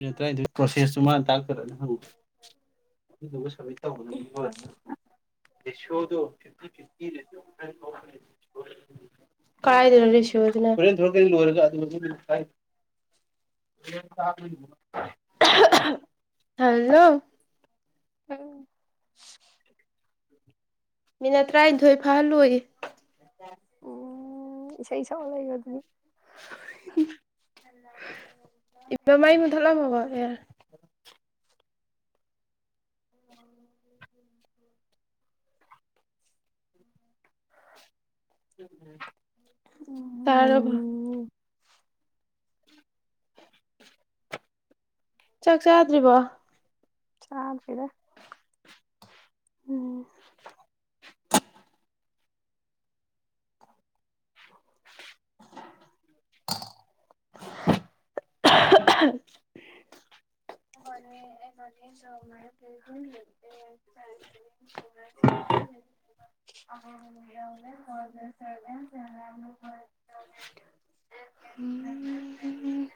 [unintelligible] ꯇꯔꯥꯅꯤꯊꯣꯏ ꯄ꯭ꯔꯣꯁꯦꯁꯇꯨ ꯃꯥꯅ ꯇꯥꯛꯀꯗꯕꯅꯤ ꯍꯉ ꯑꯗꯨꯗꯨꯒꯥ ꯁꯃꯤ ꯇꯧꯒꯗꯕꯅꯤ ꯀꯔꯥꯏꯗꯅꯤ ꯔꯦꯁꯤꯑꯣꯗꯨꯅ ꯍꯣꯔꯦꯜ ꯊꯣꯔꯛꯅꯤ ꯂꯣꯌꯔꯥꯒꯥ ꯑꯗꯨꯗ ꯑꯗꯨꯝ [unintelligible] ꯍꯂꯣ ꯎꯝ [unintelligible] ꯃꯤꯅꯠ ꯇꯔꯥꯅꯤꯊꯣꯏ ꯐꯥꯍꯜꯂꯨꯌꯦ ꯎꯝ ꯏꯁꯩ ꯁꯛ ꯑ ꯂꯩꯒ ꯑꯗꯨꯅꯤ [unintelligible] ꯏꯕꯃꯥꯏ ꯃꯩ ꯃꯨꯊꯂꯝꯃꯕ ꯑꯦꯔ ꯎ [unintelligible] [inaudible] ꯇꯥꯔꯕ ꯎꯝ ꯆꯥꯛ ꯆꯥꯗ꯭ꯔꯤꯕꯣ ꯆꯥꯗ꯭ꯔꯤꯗ ꯎꯝ [unintelligible] ꯄ [unintelligible] ꯎꯝ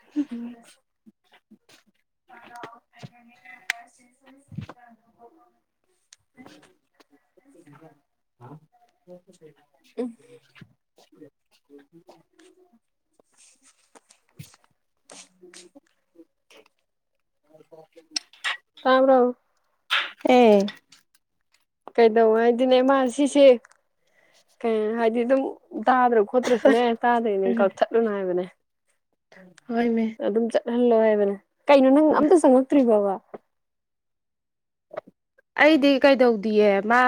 [inaudible] ꯑ [unintelligible] ꯎꯝ [inaudible] [unintelligible] [unintelligible] ꯇꯥꯕ꯭ꯔꯣ ꯑꯦ ꯀꯩꯗꯧ ꯍꯥꯏꯗꯤꯅꯦ ꯃꯥ ꯁꯤꯁꯦ ꯀꯩ ꯍꯥꯏꯗꯤ ꯗꯨꯝ ꯇꯥꯗ꯭ꯔ ꯈꯣꯠꯇ꯭ꯔꯁꯨꯅꯦ ꯇꯥꯗ꯭ꯔꯦꯅ ꯀꯛꯊꯠꯂꯨꯅ ꯍꯥꯏꯕꯅꯦ ꯍꯣꯏꯅꯦ ꯂꯜ ꯂꯣꯏ [unintelligible] ꯀꯩꯅꯣ ꯅꯪ ꯑꯝꯇ ꯆꯪꯉꯛꯇ꯭ꯔꯤꯕꯕ ꯑꯩꯗꯤ ꯀꯩꯗꯧꯗꯤꯌꯦ ꯃꯥ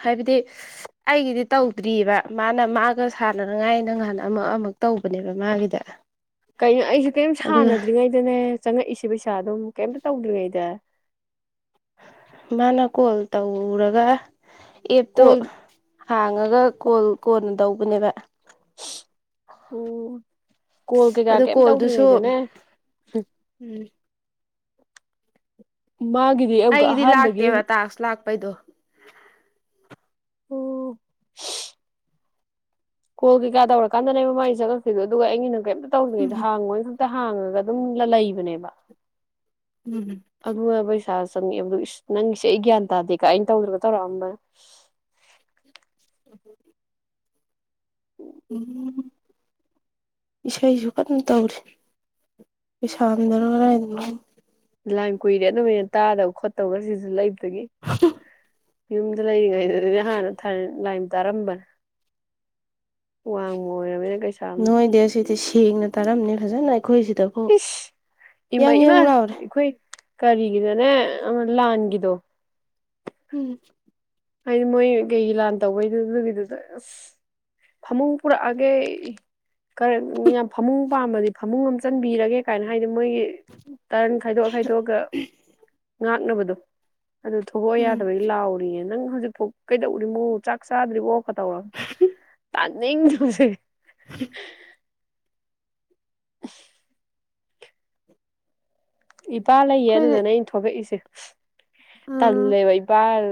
ꯍꯥꯏꯕꯗꯤ ꯑꯩꯒꯤꯗꯤ ꯇꯧꯗ꯭ꯔꯤꯑꯕ ꯃꯥꯅ ꯃꯥꯒ ꯁꯥꯟꯅꯅꯉꯥꯏ ꯅ ꯉꯍꯥꯟ ꯑꯃ ꯑꯃꯨꯛ ꯇꯧꯕꯅꯦꯕ ꯃꯥꯒꯤꯗ ꯀꯩꯅꯣ ꯑꯩꯁꯨ ꯀꯔꯤꯝ ꯑꯗꯨꯒ ꯁꯥꯟꯅꯗ꯭ꯔꯤꯉꯩꯗꯅꯦ ꯆꯪꯉꯛꯏꯁꯦ ꯁꯤ ꯄꯩꯁꯥ ꯗꯣꯃꯨꯛ ꯀꯩꯝꯇ ꯇꯧꯗ꯭ꯔꯤꯉꯩꯗ ꯃꯥꯅ ꯀꯣꯜ ꯇꯧ ꯔꯒ ꯑꯦꯞꯇꯣ ꯀꯣꯜ ꯍꯥꯡꯉꯒ ꯀꯣꯜ ꯀꯣꯟꯅ ꯇꯧꯕꯅꯦꯕ ꯑꯣ ꯀꯣꯜ ꯑꯗꯨ ꯀꯩꯀꯥ ꯀꯩꯝ ꯀꯣꯜꯗꯨꯁꯨ ꯇꯧꯗ꯭ꯔꯤꯉꯩꯗꯅꯦ ꯎꯝ ꯃꯥꯒꯤꯗꯤ ꯑꯃꯨꯛꯀ ꯑꯍꯥꯟꯕꯒꯤ ꯄꯩꯗꯣ ꯎ ꯀꯣꯜ ꯀꯩꯀꯥ ꯇꯧꯔꯀꯥꯟꯗꯅꯦꯕ ꯃꯃꯥꯏ ꯆꯪꯉꯛꯈꯤꯕꯗꯣ ꯑꯗꯨꯒ ꯑꯩꯒꯤꯅ ꯀꯩꯝꯇ ꯇꯧꯗ꯭ꯔꯤꯉꯩꯗ ꯍꯥꯡꯉꯣꯏꯅ ꯍꯥꯡꯉꯒ ꯑꯗꯨꯝꯒ ꯂꯩꯕꯅꯦꯕ ꯎꯝ ꯑꯗꯨꯕꯨꯕꯩ ꯁꯥ ꯆꯪꯉꯦꯕ ꯅꯪꯒꯤꯁꯦ ꯑꯩ ꯒ꯭ꯌꯥꯟ ꯇꯥꯗꯦꯀ ꯑꯩꯅ ꯇꯧꯗ꯭ꯔꯒ ꯇꯧꯔꯛꯑꯝꯕ ꯎꯝ ꯎꯝ ꯏꯁꯩꯁꯨ ꯀꯟꯅ ꯇꯧꯔꯤ ꯄꯩꯁꯥꯝꯗꯅꯣ ꯀꯥꯏꯗꯅꯣ ꯂꯥꯏ ꯀꯨꯏꯔꯦ ꯑꯗꯨꯃꯥꯏꯅ ꯇꯥꯗꯕ ꯈꯣꯠꯇꯕꯒ ꯁꯤꯁꯨ ꯂꯩꯕ ꯒꯤ ꯌꯨꯝꯗ ꯂꯩꯔꯤꯉꯩꯗ ꯑꯗꯨꯗꯤ ꯍꯥꯟꯅ ꯊ ꯂ ꯇꯔꯝꯕꯟ ꯋꯥꯡꯃ ꯑꯣꯏꯔꯕꯅꯤꯅ ꯀꯩꯁꯥꯅ ꯅꯣꯏꯗꯤ ꯑꯁꯤꯗꯤ ꯁꯦꯡꯅ ꯇꯥꯔꯝꯅꯤ ꯐꯖꯅꯥ ꯑꯩꯈꯣꯏꯁꯤꯗꯐꯥꯎ ꯏꯁ ꯌꯥꯪ ꯌꯥꯪ ꯂꯥꯎꯔꯦ ꯀꯔꯤꯒꯤꯗꯣꯅꯦ ꯂꯥꯟꯒꯤꯗꯣ ꯎꯝ ꯍꯥꯏꯗꯤ ꯃꯣꯏ ꯀꯩꯒꯤ ꯂꯥꯟ ꯇꯧꯕꯩꯗꯨꯗꯨꯒꯤꯗꯨꯗ ꯑꯁ ꯐꯃꯨꯡ ꯄꯨꯔꯛꯑꯒꯦ ꯈꯔ ꯌꯥꯝ ꯐꯃꯨꯡ ꯄꯥꯝꯕꯗꯤ ꯐꯃꯨꯡ ꯑꯃ ꯆꯟꯕꯤꯔꯒꯦ ꯀꯥꯏꯅ ꯍꯥꯏ ꯍꯥꯏꯗꯤ ꯃꯣꯏꯒꯤ ꯇꯔꯟ ꯈꯥꯏꯗꯣꯛꯑ ꯈꯥꯏꯗꯣꯛꯑꯒ ꯉ ꯅꯕꯗꯨ ꯑꯗꯨ ꯊꯣꯛꯂ ꯎꯝ ꯌꯥꯗꯕꯒꯤ ꯂꯥꯎꯎꯔꯤꯅ ꯅꯪ ꯍꯧꯖꯤꯛꯐꯥꯎ ꯀꯩꯗꯧ ꯎꯔꯤꯃꯣ ꯆꯥꯛ ꯆꯥꯗ꯭ꯔꯤꯕꯣ ꯀꯇꯧꯔ ꯇꯥꯅꯤꯡꯗꯁꯦ [inaudible] [inaudible] ꯏꯄꯥ ꯂꯩꯌꯦ ꯑꯩꯈꯣꯏꯗꯤ ꯑꯗꯨꯗꯅ ꯑꯩꯅ ꯊꯣꯛꯂꯛꯏꯁꯦ ꯎꯝ ꯇꯂꯦꯕꯩꯕꯜ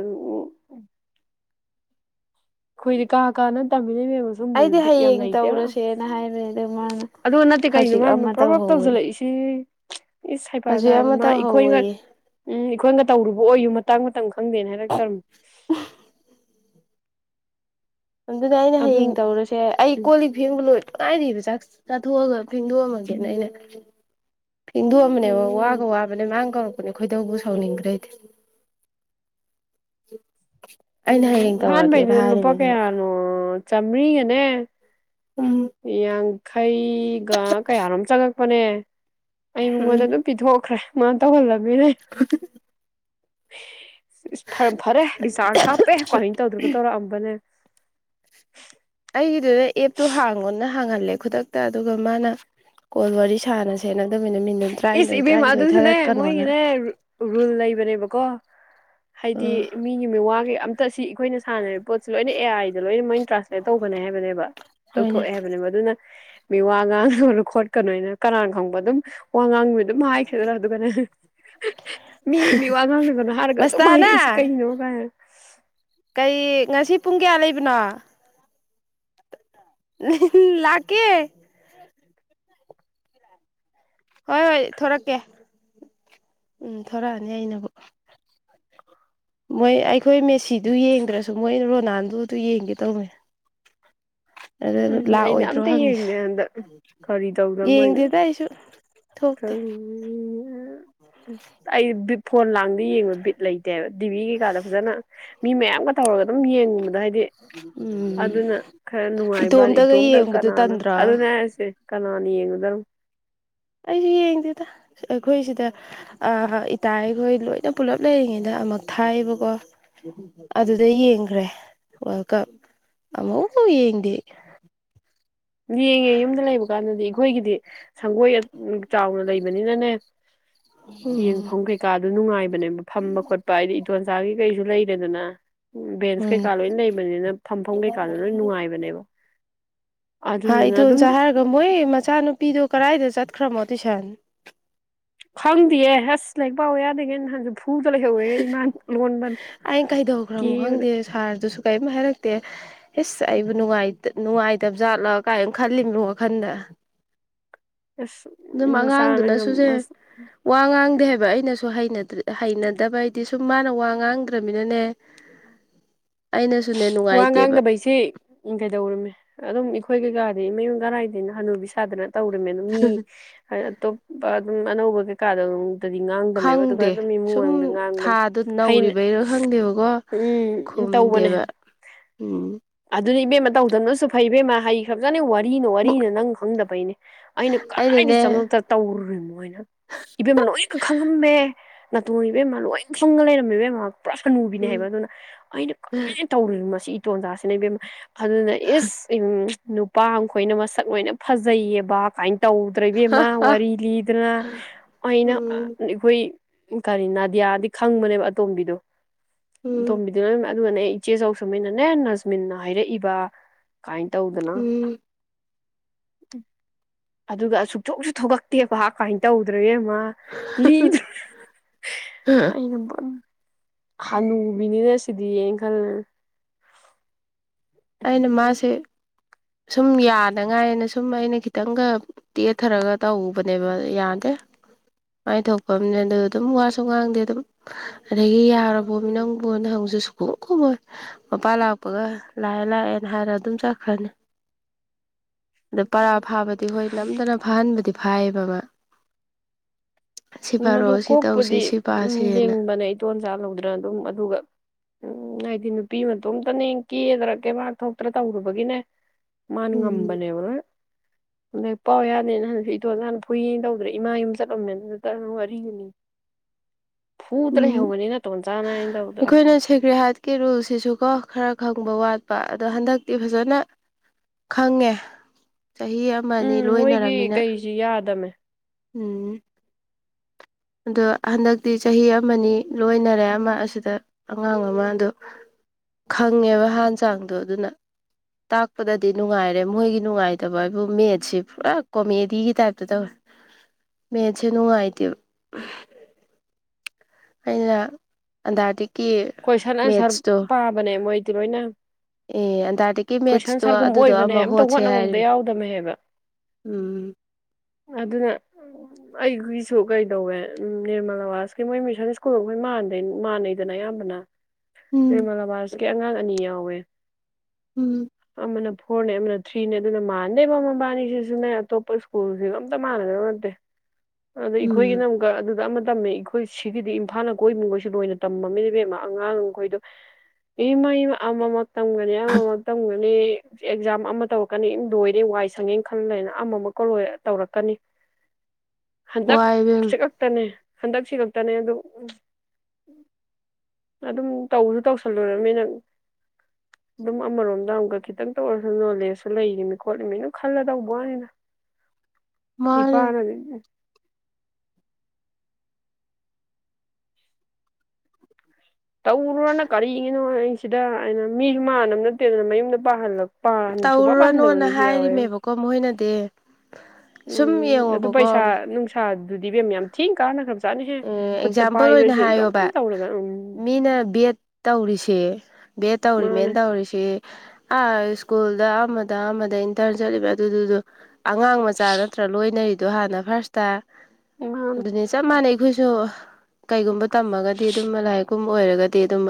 ꯈꯣꯏꯗꯤ ꯀꯥ ꯀꯥꯅ ꯁꯨꯝꯕ ꯑꯩꯗꯤ ꯕꯤꯠ ꯌꯥꯝ ꯍꯌꯦꯡ ꯂꯩꯇꯦꯕ ꯇꯧꯔꯁꯦꯅ ꯍꯥꯏꯕꯅꯦ ꯑꯗꯨ ꯃꯥꯅ ꯑꯗꯨꯒ ꯅꯠꯇꯦ ꯀꯅꯣ ꯍꯧꯖꯤꯛ ꯍꯥꯏ ꯑꯃ ꯄ꯭ꯔꯣꯚꯞ ꯇꯧꯍꯧꯋꯦ ꯇꯧꯁꯤꯜꯂꯛꯏꯁꯤ ꯏꯁ ꯁꯩꯐꯖ ꯍꯧꯖꯤꯛ ꯍꯥꯏꯕ ꯑꯃ ꯃꯥ ꯑꯩꯈꯣꯏ ꯎꯝ ꯇꯧꯍꯧꯋꯦꯌꯦ ꯑꯩꯈꯣꯏꯒ ꯇꯧꯔꯨꯕ ꯑꯣꯏꯌꯨ ꯃꯇꯥꯡ ꯃꯇꯝ ꯈꯪꯗꯦꯅ ꯍꯥꯏꯔꯛꯇꯧꯔ ꯑꯗꯨꯅ ꯑꯩꯅ ꯑꯗꯨ ꯍꯌꯦꯡ ꯇꯧꯔꯁꯦ ꯑꯩ ꯎꯝ ꯀꯣꯜ ꯂꯤꯛ ꯐꯦꯡꯕ ꯂꯣꯏ ꯉꯥꯏꯔꯤꯕ ꯆꯥꯛꯁꯦ ꯆꯥꯊꯣꯛꯑꯒ ꯐꯦꯡꯗꯣꯛꯑꯝꯃꯒꯦꯅ ꯑꯩꯅ ꯍꯗꯨ ꯑꯃꯅꯦ ꯎꯝ ꯋꯥꯒ ꯋꯥꯕꯅꯦ ꯃꯥꯡꯒꯣ ꯑꯩꯈꯣꯏꯗꯕꯨ ꯁꯥꯎꯅꯤꯡꯗ꯭ꯔꯦꯗꯤ ꯆꯠ ꯎꯝ ꯐꯥꯟꯩꯅꯦ ꯂꯨ ꯄ ꯀꯦ ꯌꯥꯅꯨ ꯆꯝꯔꯤꯒꯅꯦ ꯎꯝ ꯌꯥꯡ ꯈꯩ ꯀꯌꯥꯔꯣꯝ ꯆꯪꯉꯛ ꯐꯅꯦ ꯑꯩ ꯎꯝ ꯃꯤꯉꯣꯟꯗ ꯑꯗꯨꯝ ꯄꯤꯊꯣꯛꯈ꯭ꯔꯦ ꯃꯥ ꯇꯣꯜꯂ ꯃꯤꯅꯦ ꯐ ꯐꯔꯦ ꯔꯤꯆꯥꯔꯖ ꯍꯥꯞꯄꯦ ꯀꯃꯥꯏꯅ ꯇꯧꯗ꯭ꯔꯒ ꯇꯧꯔꯛꯑꯝꯕꯅꯦ ꯑꯩꯒꯤꯗꯨꯗ ꯑꯦꯞꯇꯣ ꯍꯥꯡꯉꯣꯅ ꯍꯥꯡꯍꯜꯂꯦ ꯈꯨꯗꯛꯇ ꯑꯗꯨꯒ ꯃꯥꯅ ꯀꯣꯜ ꯋꯥꯔꯤ ꯁꯥꯟꯅ ꯁꯦꯅꯕꯗ ꯏꯁ ꯏꯕꯦꯝꯃ ꯑꯗꯨꯁꯨꯅꯦ ꯃꯣꯏꯒꯤꯅꯦ ꯔꯨꯜ ꯂꯩꯕꯅꯦꯕꯀꯣ ꯍꯥꯏꯗꯤ ꯎꯝ ꯃꯤꯒꯤ ꯃꯤꯋꯥꯒꯩ ꯑꯝ ꯠꯇ ꯁꯤ ꯑꯩꯈꯣꯏꯅ ꯁꯥꯟꯅꯔꯤꯕ ꯄꯣꯠꯁꯤ ꯂꯣꯏꯅ ꯑꯦ ꯑꯥꯏꯗ ꯂꯣꯏꯅ ꯃꯣꯏ ꯇ꯭ꯔꯥꯟꯁꯂꯦꯠ ꯇꯧꯕꯅꯦ ꯍꯥꯏꯕꯅꯦꯕ ꯍꯣꯏꯅꯦ ꯂꯧꯊꯣꯛꯑꯦ ꯍꯥꯏꯕꯅꯦꯕ ꯑꯗꯨꯅ ꯃꯤꯋꯥ ꯉꯥ ꯡ ꯁꯨꯔꯨ ꯈꯣꯠꯀꯅꯣꯏꯅ ꯀꯅꯥꯅ ꯈꯪꯕ ꯑꯗꯨꯝ ꯋꯥ ꯉꯥꯡꯃꯤ ꯑꯗꯨꯝ ꯍꯥꯏꯈꯤꯗ꯭ꯔꯥ ꯑꯗꯨꯒꯅꯦ ꯃꯤ ꯃꯤ ꯋꯥ ꯉꯥꯡꯗꯒꯅ ꯍꯥꯏꯔꯒ ꯑꯗꯨꯝ ꯃꯁꯇꯥꯅ ꯍꯥꯏꯔꯛꯏꯁꯤ ꯀꯩꯅꯣ ꯀꯥꯏꯅ [unintelligible] ꯀꯩ ꯉꯁꯤ ꯄꯨꯡ ꯀꯌꯥ ꯂꯩꯕꯅꯣ ꯂꯒꯦ ꯍꯣꯏ ꯍꯣꯏ ꯊꯣꯔꯛꯀꯦ ꯎꯝ ꯊꯣꯔꯛꯑꯅꯤ ꯑꯩꯅꯕꯨ ꯃꯣꯏ ꯑꯩꯈꯣꯏ ꯃꯦꯁꯤꯗꯨ ꯌꯦꯡꯗ꯭ꯔꯁꯨ ꯃꯣꯏ ꯔꯣꯅꯥꯜꯗꯣꯗꯨ ꯌꯦꯡꯒꯦ ꯇꯧꯔꯦ ꯎꯝ ꯑꯩꯅ ꯑꯝꯇ ꯌꯦꯡꯗꯦ ꯍꯟꯗꯛ ꯀꯔꯤ ꯇꯧꯗꯣ ꯃꯣꯏꯅꯣ ꯌꯦꯡꯗꯦꯗ ꯑꯩꯁꯨ ꯊꯣꯛꯇꯦ ꯑꯩ ꯐꯣꯟ ꯂꯥꯡꯗ ꯌꯦꯡꯕ ꯕꯤꯠ ꯂꯩꯇꯦꯕ ꯇꯤꯚꯤ ꯀꯩꯀꯥꯗ ꯐꯖꯅ ꯃꯤ ꯃꯌꯥꯝꯒ ꯇꯧꯔꯒ ꯑꯗꯨꯝ ꯌꯦꯡꯨꯕ ꯎꯝ ꯏꯇ ꯏꯇꯣꯦꯀ ꯅꯅ ꯑꯗꯨ ꯅꯁꯦ ꯀꯅꯥꯅ ꯌꯦꯡꯉꯨꯗꯨ ꯑꯩꯁꯨ ꯌꯦꯡꯗꯦꯗ ꯑꯩꯈꯣꯏꯁꯤꯗ ꯏꯇꯥ ꯑꯩꯈꯣꯏ ꯂꯣꯏꯅ ꯄꯨꯂꯞ ꯂꯩꯔꯤꯉꯩꯗ ꯑꯃꯨꯛ ꯊꯥꯏꯌꯦꯕꯀꯣ ꯑꯗꯨꯗ ꯌꯦꯡꯈ꯭ꯔꯦ ꯋꯥꯔꯜ ꯀꯞ ꯑꯃꯨꯛꯐꯥꯎ ꯌꯦꯡꯗꯤ ꯌꯦꯡꯉꯦ ꯌꯨꯝꯗ ꯂꯩꯕ ꯀꯥꯟꯗꯗꯤ ꯑꯩꯈꯣꯏꯒꯤꯗꯤ ꯁꯪꯒꯣꯏ ꯆꯥꯎꯅ ꯂꯩꯕꯅꯤꯅꯅꯦ ꯌꯦꯡꯐꯝ ꯀꯩꯀꯥꯗꯨ ꯅꯨꯡꯉꯥꯏꯕꯅꯦꯕ ꯐꯝꯕ ꯈꯣꯠꯄ ꯍꯥꯏꯗꯤ ꯏꯇꯣꯟꯆꯥꯒꯤ ꯀꯩꯁꯨ ꯂꯩ ꯦꯗꯅ ꯎ ꯕꯦꯟꯁ ꯎꯝ ꯀꯩꯀꯥ ꯂꯣꯏ ꯂꯩꯕꯅꯤꯅ ꯐꯝꯐꯝ ꯀꯩꯀꯥꯗ ꯂꯣꯏ ꯅꯨꯡꯉꯥꯏꯕꯅꯦꯕ ꯍꯥꯏ ꯑꯗꯨꯗꯨꯅ ꯑꯗꯨꯝ ꯑꯩꯗꯣꯟꯁ ꯍꯥꯏꯔꯒ ꯃꯣꯏ ꯃꯆꯥꯅꯨꯄꯤꯗꯣ ꯀꯗꯥꯏꯗ ꯆꯠꯈ꯭ꯔꯃꯣ ꯇꯨꯏꯁꯟ ꯈꯪꯗꯌꯦ ꯑꯁ ꯂꯛ ꯄꯥꯎꯑꯣ ꯌꯥꯗꯒꯦ ꯍꯟ ꯑꯩꯅ ꯀꯩꯗꯧꯈ꯭ꯔꯃꯣ ꯀꯦꯕꯗ ꯈꯪꯗꯦ ꯁꯥꯔꯗꯨꯁꯨ ꯀꯔꯤꯝ ꯍꯥꯏꯔꯛꯇꯦ ꯏꯁꯁ ꯑꯩꯕꯨ ꯅꯨꯡ ꯅꯨꯡꯉꯥꯏꯇꯕꯖꯥꯠꯂ ꯀꯥꯏꯅ ꯈꯜꯂꯤꯕꯅꯣ ꯋꯥꯈꯟꯗ ꯑꯁ ꯑꯗꯨꯝ ꯑꯉꯥꯡꯗꯨꯅ ꯃꯆꯥꯅ ꯁꯨꯁꯦ ꯋꯥ ꯉꯥꯡꯗꯦ ꯑꯩꯅꯁꯨ ꯍꯩꯅꯗꯕ ꯍꯥꯏꯗꯤ ꯁꯨꯝ ꯃꯥꯅ ꯋꯥ ꯉꯥꯡꯗ꯭ꯔꯃꯤꯅꯅꯦ ꯑꯩꯅꯁꯨꯅꯦ ꯋꯥ ꯅꯨꯡꯉꯥꯏꯇꯦꯕ ꯉꯥꯡꯗꯕꯩꯁꯤꯦ ꯎ ꯀꯩꯗꯧꯔꯝꯃꯦ ꯑꯗꯨꯝ ꯑꯩꯈꯣꯏ ꯀꯩꯀꯥ ꯑꯗꯨ ꯃꯌꯨꯡꯒꯔꯥꯏꯗꯦꯅ ꯍꯅꯨꯕꯤ ꯁꯥꯗ꯭ꯔꯅ ꯇꯧꯔꯃꯦ ꯑꯗꯨ ꯃꯤ ꯍꯥꯏ ꯑꯇꯣꯞꯄ ꯑꯗꯨꯝ ꯃꯥꯅ ꯎꯧꯕ ꯀꯦ ꯀꯥꯗ ꯈꯪꯗꯦ ꯁꯨꯝ ꯉꯥꯡꯕꯅꯦ ꯊꯥꯗ ꯍꯩꯅ ꯅꯧꯔꯤꯕꯩꯔ ꯈꯪꯗꯦꯕꯀꯣ ꯈꯨꯝꯗꯦꯕ ꯑꯗꯨ ꯎꯝ ꯑꯗꯨꯗꯤ ꯏꯕꯦꯝꯃ ꯇꯧꯗꯕꯅꯁꯨ ꯐꯩ ꯕꯦꯝꯃ ꯍꯩ ꯈ꯭ꯔꯞ ꯆꯠꯅꯤ ꯋꯥ ꯋꯥꯔꯤꯅ ꯋꯥꯔꯤꯅ ꯅꯪ ꯈꯪꯗꯕꯩꯅꯦ ꯑꯩꯅ ꯀꯗꯥꯏꯗꯒꯤ ꯑꯩꯅꯅꯦ ꯆꯪꯉꯛꯇ ꯇꯧꯔꯨꯔꯤꯅꯣ ꯍꯥꯏꯅ ꯏꯕꯦꯝꯃ ꯂꯣꯏꯅꯒ ꯈꯪꯉꯝꯃꯦ ꯅꯥꯇꯣꯡ ꯏꯕ ꯏꯃ ꯂꯣꯏ ꯁꯨꯡꯒ ꯂꯩꯔꯝꯃꯤꯕꯦꯝꯃ ꯄꯨꯔꯥ ꯁꯅꯨꯕꯤꯅꯦ ꯎꯝ ꯍꯥꯏꯕ ꯑꯗꯨꯅ ꯑꯩꯅ ꯀ ꯃꯁꯤ ꯇꯣꯟꯖꯥꯁꯤꯅꯦ ꯏꯕꯦꯝ ꯑꯗꯨꯅ ꯌꯦꯁ ꯎꯝ ꯅꯨꯄꯥ ꯑꯃꯈꯣꯏꯅ ꯃꯁꯛ ꯂꯣꯏꯅ ꯐꯖꯩꯌꯦꯕ ꯀꯥꯏꯅ ꯇꯧꯗ꯭ꯔꯕꯃ ꯑ ꯋꯥꯔꯤ ꯂꯤꯗꯅ ꯑꯩꯅ ꯎꯝ ꯑꯩꯈꯣꯏ ꯎ ꯀꯔꯤ ꯅꯥꯗꯤꯌꯥꯗꯤ ꯈꯪꯕꯅꯦꯕ ꯑꯇꯣꯝꯕꯤꯗꯨꯣ ꯎꯝ ꯇꯣꯝꯕꯗꯅ ꯑꯗꯨ ꯃꯅꯦ ꯏꯆꯦꯖꯥꯎ ꯁꯃꯅꯅꯦ ꯅꯁꯃꯤꯟꯅ ꯍꯥꯏꯔꯛꯏꯕ ꯀꯥꯏ ꯇꯧꯗꯅ ꯎ ꯎꯝ ꯑꯗꯨꯒ ꯑꯁꯨꯛꯆꯣꯛꯁꯨ ꯊꯣꯛꯂꯛꯇꯦꯕꯍꯥꯛ ꯀꯃꯥꯏꯅ ꯇꯧꯗꯣ ꯃ ꯂꯤꯅ ꯑꯩꯅ ꯈꯥꯅꯨꯕꯤꯅꯤꯅ ꯁꯤꯗꯤ ꯌꯦꯅ ꯈꯜꯂ ꯑꯩꯅ ꯃꯥꯁꯦ ꯁꯨꯝ ꯌꯥꯗꯉꯥꯏꯅ ꯁꯨꯝ ꯑꯩꯅ ꯈꯤꯇꯪꯒ ꯇꯦꯊꯔꯒ ꯇꯧꯕꯅꯦꯕ ꯌꯥꯗꯦ ꯃꯥꯏ ꯊꯣꯛꯄ ꯑꯃꯅꯦ ꯑꯗꯨ ꯑꯗꯨꯝ ꯋꯥꯁꯨ ꯉꯥꯡꯗꯦ ꯑꯗꯨꯝ ꯑꯗꯒꯤ ꯌꯥꯔꯕꯣꯅꯤ ꯅꯪꯕꯨ ꯅ ꯍꯪꯁꯨ ꯁꯨꯈꯨꯝꯃ ꯈꯨꯝꯃꯣꯏ ꯃꯄꯥꯥꯟ ꯂꯥꯛꯄꯒ ꯂꯥꯛꯑꯦ ꯂꯥꯛꯑꯦꯅ ꯍꯥꯏꯔ ꯑꯗꯨꯝ ꯆꯠꯈ꯭ꯔꯅꯤ ꯑꯗ ꯄꯔꯥ ꯐꯥꯕꯗꯤ ꯍꯣꯏ ꯅꯝꯗꯅ ꯐꯥꯍꯟꯕꯗꯤ ꯐꯥꯏꯌꯦꯕ ꯑꯃ ꯎꯝ ꯑꯗꯨ ꯀꯣꯛꯄꯨꯗꯤ ꯎꯝ ꯄꯥꯁꯦꯅ ꯂꯤꯡꯕꯅꯦ ꯏꯇꯣꯟ ꯆꯆꯥ ꯂꯧꯗꯅ ꯑꯗꯨꯝ ꯑꯗꯨꯒ ꯎꯝ ꯍꯥꯏ ꯅꯨꯄꯤ ꯃꯇꯣꯝꯇꯅꯦ ꯀꯦꯗ꯭ꯔ ꯀꯩꯕꯥꯥꯛ ꯊꯣꯛꯇ꯭ꯔꯥ ꯇꯧꯔꯨꯕꯒꯤꯅꯦ ꯎꯝ ꯃꯥꯅꯒꯝꯕꯅꯦꯕꯔ ꯍꯗ ꯄꯥꯎ ꯌꯥꯅꯤꯅ ꯍꯟꯁꯨ ꯏꯇꯣꯜ ꯅ ꯍꯥꯟꯅ ꯐꯨꯏꯌꯦ ꯇꯧꯗ꯭ꯔ ꯏꯃꯥ ꯌꯨꯝ ꯆꯠꯂꯝꯃꯦꯅ ꯀꯔ ꯃꯔꯤꯒꯤꯅꯤ ꯎꯝ ꯇꯧꯗꯅ ꯑꯩꯈꯣꯏꯅ ꯁꯦꯒ꯭ꯔꯤꯍꯠꯀꯤ ꯔꯨꯜꯁꯤꯁꯨꯀꯣ ꯈꯔ ꯈꯪꯕ ꯋꯥꯠꯄ ꯑꯗꯣ ꯍꯟꯗꯛꯇꯤ ꯐꯖꯅ ꯈꯪꯉꯦ ꯆꯍꯤ ꯑꯃꯅꯤꯅꯤ ꯎꯝ ꯃꯣꯏꯒꯤ ꯂꯣꯏꯅꯔꯃꯤꯅ ꯀꯩꯁꯤ ꯌꯥꯗꯝꯃꯦ ꯎꯝ ꯑꯗꯣ ꯍꯟꯗꯛꯇꯤ ꯆꯍꯤ ꯑꯃꯅꯤ ꯂꯣꯏꯅꯔꯦ ꯑꯃ ꯑꯁꯤꯗ ꯑꯉꯥꯡ ꯑꯃꯗꯣ ꯈꯪꯉꯦꯕ ꯍꯥꯟ ꯆꯥꯡꯗꯣ ꯑꯗꯨꯅ ꯇꯥꯛꯄꯗꯗꯤ ꯅꯨꯡꯉꯥꯏꯔꯦ ꯃꯣꯏꯒꯤ ꯅꯨꯡꯉꯥꯏꯇꯕ ꯍꯥꯏꯕꯨ ꯃꯦꯠꯁꯤꯦ ꯄꯨꯔꯥ ꯀꯣꯃꯦꯗꯤꯒꯤ ꯇꯥꯏꯞꯇ ꯇꯧꯋꯦ ꯃꯦꯠꯁꯦ ꯅꯨꯡꯉꯥꯏꯇꯦꯕ ꯎ ꯑꯩꯅ ꯑꯟꯇꯔꯇꯤꯛ ꯀꯣꯏꯁꯟ ꯑꯟꯁꯔ ꯄꯥꯕꯅꯦ ꯃꯣꯏ ꯂꯣꯏꯅ ꯑꯦ ꯑꯟꯇꯥꯔꯇꯤꯛꯀꯤ ꯀꯣꯏꯁꯟ ꯃꯦꯠꯁꯇꯣ ꯑꯟꯁꯔꯒꯨꯝ ꯑꯗꯨꯗꯣ ꯑꯣꯏꯕꯅꯦ ꯑꯃ ꯑꯝꯇ ꯍꯣꯠꯁꯦ ꯍꯣꯠꯅꯕ ꯍꯥꯏꯔꯤ ꯑꯝꯇ ꯌꯥꯎꯗꯝꯃꯦ ꯍꯥꯏꯕ ꯎꯝ ꯑꯗꯨꯅ ꯑꯩꯒꯤꯁꯨ ꯀꯩꯗꯧꯋꯦ ꯎ ꯅꯤꯔꯃꯜ ꯑꯥꯋꯥꯁꯀꯤ ꯃꯣꯏ ꯃꯤꯁꯟ ꯁ꯭ꯀꯨꯜꯗ ꯃꯣꯏ ꯃ ꯃꯥꯟꯅꯩꯗꯅ ꯑꯌꯥꯝꯕ ꯅ ꯎꯝ ꯃꯂ ꯃꯥꯔꯁꯨ ꯀꯦ ꯑꯉꯥꯡ ꯑꯅꯤ ꯌꯥꯎꯋꯦ ꯎꯝ ꯑꯃꯅ ꯐꯣꯔꯅꯦ ꯑꯃꯅ ꯊ꯭ꯔꯤꯅꯦ ꯑꯗꯨꯅ ꯃꯥꯟꯅꯩ ꯃꯃꯥ ꯃꯕꯥꯅꯤꯁꯤꯁꯨꯅꯦ ꯑꯇꯣꯞꯄ ꯁ꯭ꯀꯨꯜꯁꯤꯒ ꯑꯝꯇ ꯃꯥꯟꯅꯗꯕ ꯅꯠꯇꯦ ꯑꯗ ꯎꯝ ꯑꯩꯈꯣꯏꯒꯤꯅ ꯑꯃꯨꯛꯀ ꯑꯗꯨꯗ ꯑꯃ ꯇꯝꯃꯦ ꯑꯩꯈꯣꯏ ꯁꯤꯒꯤꯗꯤ ꯏꯝꯐꯥꯜꯅ ꯀꯣꯏꯃꯤꯉꯣꯏꯁꯤ ꯂꯣꯏꯅ ꯇꯝꯃꯃꯤ ꯏꯕꯦꯝꯃꯥ ꯑꯉꯥꯡꯈꯣꯏꯗꯣ ꯏꯃ ꯑꯃ ꯇꯝꯒꯅꯤ ꯑꯃ ꯑꯃ ꯇꯝꯒꯅꯤ ꯑꯦꯛꯖꯥꯝ ꯑꯃ ꯇꯧꯔꯛꯀꯅꯤ ꯏ ꯂꯣꯏꯔꯦ ꯋꯥꯏ ꯁꯪꯉꯦꯅ ꯈꯜ ꯂꯩꯅ ꯑꯃꯨꯛꯀ ꯂꯣꯏ ꯇꯧꯔꯛꯀꯅꯤ ꯋꯥꯏ ꯍꯟꯗꯛꯁꯤ ꯏꯕꯦꯝꯃ ꯈꯛꯇꯅꯦ ꯍꯟꯗꯛꯁꯤ ꯈꯛꯇꯅꯦ ꯑꯗꯨ ꯎ ꯑꯗꯨꯝ ꯇꯧꯁꯨ ꯇꯧꯁꯜꯂꯨꯔꯅꯤ ꯅꯪ ꯑꯗꯨꯝ ꯑꯃꯔꯣꯝꯗ ꯑꯃꯨꯛꯀ ꯈꯤꯇꯪꯇ ꯑꯣꯏꯔꯁꯨ ꯅꯣꯂꯦꯖꯁꯨ ꯂꯩꯅꯤ ꯈꯣꯠꯂꯤꯃꯤ ꯅꯪ ꯈꯜꯂ ꯇꯧꯕ ꯋꯥꯅꯤꯅ ꯏꯄꯥ ꯃꯥꯅꯦ ꯍꯥꯏꯅꯗꯤꯦ ꯇꯧꯔꯨꯔꯅ ꯀꯔꯤꯉꯅꯣ ꯁꯤꯗ ꯑꯩꯅ ꯃꯤꯁꯨ ꯃꯥꯟꯅꯕ ꯅꯠꯇꯦꯗꯅ ꯃꯌꯨꯝꯗ ꯄꯥꯍꯜꯂꯄ ꯇꯧꯔꯨꯔꯅꯣꯅ ꯍꯥꯏꯔꯤꯃꯦꯕꯀꯣ ꯃꯈꯣꯏꯅꯗꯤ ꯁꯨꯝ ꯌꯦꯡꯉꯣꯕꯀꯣ ꯑꯗꯨꯗꯤꯕ ꯃꯌꯥꯝ ꯆ ꯀꯥꯟꯅ ꯑꯦꯛꯖꯥꯝꯄꯜ ꯑꯣꯏꯅ ꯍꯥꯏꯌꯣꯕ ꯇꯧꯔꯒ ꯎꯝ ꯃꯤꯅ ꯕꯤ ꯑꯦꯠ ꯇꯧꯔꯤꯁꯦ ꯕꯦ ꯇꯧꯔꯤ ꯃꯥꯅꯦ ꯃꯦꯟ ꯇꯧꯔꯤꯁꯤ ꯑꯥ ꯁ꯭ꯀꯨꯜꯗ ꯑꯃꯗ ꯑꯃꯗ ꯏꯟꯇꯔꯟ ꯆꯠꯂꯤꯕ ꯑꯗꯨꯗꯨꯗꯣ ꯑꯉꯥꯡ ꯃꯆꯥ ꯅꯠꯇ꯭ꯔ ꯂꯣꯏꯅꯔꯤ ꯑꯗꯣ ꯍꯥꯟꯅ ꯐꯥꯔꯁꯇ ꯑꯗꯨ ꯃꯥꯅꯦ ꯑꯗꯨꯅꯦ ꯆ ꯃꯥꯅꯦ ꯀꯩꯒꯨꯝꯕ ꯇꯝꯃꯒꯗꯤ ꯑꯗꯨꯝ ꯂꯥꯏꯔꯤꯛꯀꯨꯝꯕ ꯑꯣꯏꯔꯒꯗꯤ ꯑꯗꯨꯝ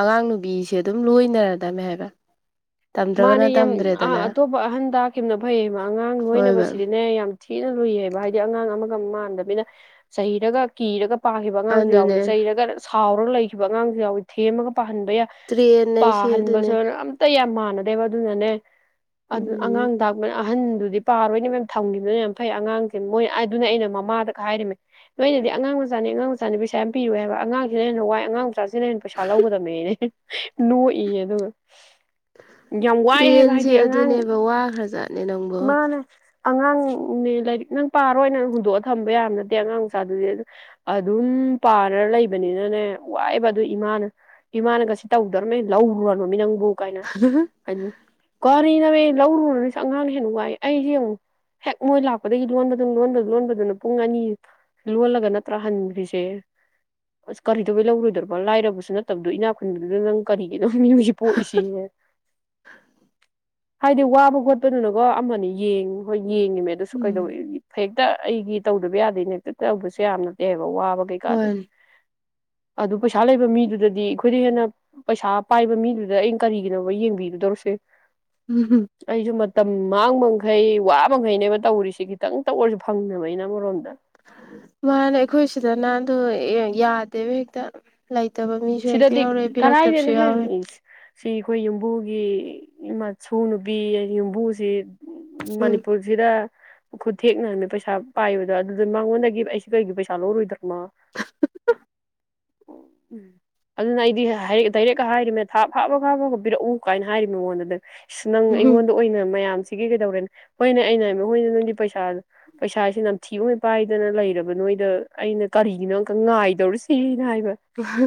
ꯑꯉꯥꯡ ꯅꯨꯕꯤꯁꯦ ꯑꯗꯨꯝ ꯂꯣꯏꯅꯔꯗꯝꯃꯦ ꯍꯥꯏꯕ ꯇꯝꯗ꯭ꯔꯒꯅ ꯃꯥꯅꯦ ꯌꯥꯝ ꯇꯝꯗ꯭ꯔꯦꯗꯅ ꯑꯇꯣꯞꯄ ꯑꯍꯟ ꯇꯥꯈꯤꯕꯅ ꯐꯩꯌꯦꯕ ꯑꯉꯥꯡ ꯍꯣꯏꯕ ꯂꯣꯏꯅꯕꯁꯤꯗꯤꯅꯦ ꯌꯥꯝ ꯊꯤꯅ ꯂꯨꯏꯌꯦꯕ ꯍꯥꯏꯗꯤ ꯑꯉꯥꯡ ꯑꯃ ꯃꯥꯟꯗꯕꯤꯅ ꯆꯩꯔꯒ ꯀꯤꯔꯒ ꯄꯥꯈꯤꯕ ꯑꯉꯥꯡꯁꯨ ꯌꯥꯎꯏ ꯑꯗꯨꯅꯦ ꯆꯩꯔꯒ ꯁꯥꯎꯔꯒ ꯂꯩ ꯂꯩꯈꯤꯕ ꯑꯉꯥꯡꯁꯨ ꯌꯥꯎꯋꯏ ꯊꯦꯝꯃꯒ ꯄꯥꯍꯟꯕ ꯌꯥꯏ ꯇ꯭ꯔꯦꯟ ꯍꯥꯏꯁꯦ ꯄꯥꯍꯟꯕꯁꯨ ꯑꯗꯨꯅꯦ ꯌꯥꯝ ꯃꯥꯅꯗ ꯕꯑꯗꯨ ꯅꯅꯦ ꯑꯗꯨ ꯎꯝ ꯑꯉꯥꯡ ꯇꯥꯛꯄꯅ ꯑꯍꯟ ꯑꯗꯨꯗꯤ ꯄꯥꯔꯣꯏꯅꯦ ꯃꯌꯥꯝ ꯊꯝꯈꯤꯕꯅꯤꯅ ꯌꯥꯝ ꯐꯩ ꯑꯉꯥꯡꯁꯦ ꯃꯣꯏ ꯑꯗꯨꯅ ꯑꯩꯅ ꯃꯃꯥꯗ ꯍꯥꯏꯔꯤꯝꯃꯦ ꯅꯣꯏꯅꯗꯤ ꯑꯉꯥꯡ ꯃꯆꯥꯅꯤ ꯑꯉꯥꯡ ꯃꯆꯥꯅꯤ ꯄꯩꯁꯥ ꯌꯥꯝ ꯄꯤꯔꯨ ꯍꯥꯏꯕ ꯑꯉꯥꯡꯁꯤꯅ ꯍꯦꯟꯅ ꯋꯥꯏ ꯑꯉꯥꯡ ꯃꯆꯥꯁꯤꯅ ꯍꯦꯟꯅ ꯄꯩꯁꯥ ꯂꯧꯒꯗꯕꯅꯤꯅꯦ ꯅꯣꯛꯏ ꯑꯗꯨꯒ ꯌꯥꯝ ꯋꯥꯏ ꯍꯥꯏꯕ ꯇ꯭ꯔꯦꯟꯁꯦ ꯑꯗꯨꯅꯦꯕ ꯋꯥ ꯈ꯭ꯔꯖꯥꯠꯅꯦ ꯅꯪ ꯃꯥꯅꯦ ꯑꯉꯥꯡꯅꯦ ꯂꯥꯏꯔꯤꯛ ꯅꯪ ꯄꯥꯔꯣ ꯅꯪ ꯍꯨꯟꯗꯣꯛꯑꯒ ꯊꯝꯕ ꯌꯥꯕ ꯅꯠꯇꯦ ꯑꯉꯥꯡ ꯃꯆꯥꯗꯨꯗꯤ ꯑꯗꯨꯝ ꯄꯥꯔ ꯂꯩꯕꯅꯤꯅꯅꯦ ꯋꯥꯏꯕ ꯑꯗꯨ ꯏꯃꯥꯅ ꯏꯃꯥꯅꯒꯁꯤ ꯇꯧꯗ꯭ꯣꯔꯤꯕꯅꯦ ꯂꯧꯔꯨꯔꯅꯣꯃꯤ ꯅꯪ ꯕꯨ ꯀꯥꯏꯅ ꯀꯔꯤꯅꯣꯃꯤ ꯂꯧꯔꯨꯅꯤ ꯑꯉꯥꯡ ꯍꯦꯟꯅ ꯋꯥꯏ ꯑꯩꯁꯦ ꯑꯃꯨꯛ ꯍꯦꯛ ꯃꯣꯏ ꯂꯥꯛꯄꯗꯒꯤ ꯂꯣꯟꯕꯗꯨ ꯂꯣꯟꯕ ꯂꯣꯟꯕꯗꯨꯅ ꯄꯨꯡ ꯑꯅꯤ ꯂꯣꯜꯂꯒ ꯅꯠꯇ꯭ꯔꯥ ꯍꯟꯈ꯭ꯔꯤꯁꯦ ꯑꯁ ꯀꯔꯤꯗꯧꯕꯩ ꯂꯧꯔꯣꯏꯗꯣꯏꯕ ꯂꯥꯏꯔꯕꯁꯨ ꯅꯠꯇꯕꯗꯣ ꯏꯅꯥꯛ ꯈꯨꯟꯕꯗꯨꯗ ꯅꯪ ꯀꯔꯤ ꯃꯤ ꯍꯧ ꯄꯣꯏꯁꯤ ꯍꯥꯏꯗꯤ ꯋꯥꯕ ꯈꯣꯠꯄꯗꯨꯅ ꯀꯣ ꯑꯃꯅꯦ ꯌꯦꯡꯉ ꯍꯣꯏ ꯌꯦꯡꯉꯤꯃꯦ ꯑꯗꯨꯁꯨ ꯎꯝ ꯀꯩꯗꯧꯋ ꯍꯦꯛ ꯍꯦꯛꯇ ꯑꯩꯒꯤ ꯇꯧꯗꯕ ꯌꯥꯗꯦꯅꯦ ꯍꯦꯛꯇ ꯇꯧꯕꯁꯨ ꯌꯥꯝꯅꯇꯦꯕ ꯋꯥꯕ ꯀꯩ ꯍꯣꯏ ꯀꯥꯗꯗꯤ ꯑꯗꯨ ꯄꯩꯁꯥ ꯂꯩꯕ ꯃꯤꯗꯨꯗꯗꯤ ꯑꯩꯈꯣꯏꯗ ꯍꯦꯟꯅ ꯄꯩꯁꯥ ꯄꯥꯏꯕ ꯃꯤꯗꯨꯗ ꯑꯩꯅ ꯀꯔꯤꯒꯤꯅꯣꯕ ꯌꯦꯡꯕꯤꯒꯗꯧꯔꯤꯁꯦ ꯎꯝ ꯑꯩꯁꯨ ꯃ ꯃꯇꯝ ꯃꯥꯡꯕ ꯃꯈꯩ ꯋꯥꯕ ꯃꯈꯩꯅꯦꯕ ꯇꯧꯔꯤꯁꯤ ꯈꯤꯇꯪꯇ ꯑꯣꯏꯔꯁꯨ ꯐꯪꯅꯕ ꯑꯩꯅ ꯑꯃꯔꯣꯝꯗ ꯃꯥꯅꯦ ꯑꯩꯈꯣꯏ ꯁꯤꯗꯅ ꯑꯗꯨ ꯌꯥꯗꯦꯕ ꯍꯦꯛꯇ ꯂꯩ ꯂꯩꯇꯕ ꯃꯤꯁꯨ ꯍꯦꯛꯇ ꯁꯤꯗꯗꯤ ꯌꯥꯎꯔꯛꯏ ꯄꯤꯔꯛꯇꯕꯁꯨ ꯀꯔꯥꯏꯗꯅꯍꯦ ꯌꯥꯎꯋꯦ ꯁꯤ ꯑꯩꯈꯣꯏ ꯌꯨꯝꯕꯨꯒꯤ ꯏ ꯃꯁꯨ ꯅꯨꯄꯤ ꯌꯨꯝꯕꯨꯁꯤ ꯎꯝ ꯃꯅꯤꯄꯨꯔꯁꯤꯗ ꯈꯨꯠ ꯊꯦꯛꯅꯅꯦ ꯄꯩꯁꯥ ꯄꯥꯏꯕꯗꯣ ꯑꯗꯨꯗ ꯃꯉꯣꯟꯗꯒꯤ ꯑꯩꯁ ꯀꯩꯒꯤ ꯄꯩꯁꯥ ꯂꯧꯔꯣꯏꯗ꯭ꯔꯃꯣ ꯎꯝ ꯑꯗꯨꯅ ꯑꯩꯗꯤ ꯗꯥꯏꯔꯦꯛ ꯍꯥꯏꯔꯤꯃꯦ ꯊꯥ ꯐꯥꯕ ꯐꯥꯕꯒ ꯄꯤꯔꯛꯎ ꯀꯥꯏꯅ ꯍꯥꯏꯔꯤ ꯃꯉꯣꯟꯗꯗꯤ ꯅꯪ ꯎꯝ ꯑꯩꯉꯣꯟꯗ ꯑꯣꯏꯅ ꯃꯌꯥꯝꯁꯦ ꯁꯤꯒꯤ ꯀꯩꯗꯧꯔꯦꯅꯦ ꯃꯣꯏꯅ ꯑꯩꯅ ꯃꯣꯏꯅ ꯅꯣꯏꯗꯤ ꯄꯩꯁꯥ ꯄꯩꯁꯥꯥꯁꯦ ꯅꯝꯊꯤ ꯄꯥꯏꯗꯅ ꯂꯩꯔꯕ ꯅꯣꯏꯗ ꯑꯩꯅ ꯀꯔꯤꯒꯤꯅꯣ ꯑꯃꯨꯛ ꯉꯥꯏꯗꯧꯔꯤꯁꯤ ꯍꯥꯏꯕ